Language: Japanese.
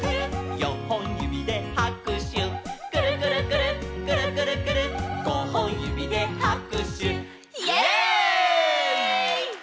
「よんほんゆびではくしゅ」「くるくるくるっくるくるくるっ」「ごほんゆびではくしゅ」イエイ！